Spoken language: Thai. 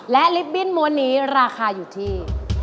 และลิฟตบิ้นม้วนนี้ราคาอยู่ที่